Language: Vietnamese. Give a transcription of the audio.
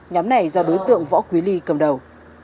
nhóm này do đối tượng võ quý ly cầm đầu